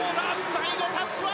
最後、タッチは。